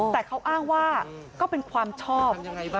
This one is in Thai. แต่เขาอ้างว่าก็เป็นความชอบ